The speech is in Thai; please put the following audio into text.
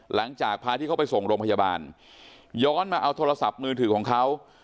หลังจากพาที่เขาไปส่งโรงพยาบาลย้อนมาเอาโทรศัพท์มือถือของเขา